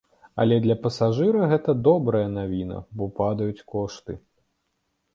Але для пасажыра гэта добрая навіна, бо падаюць кошты.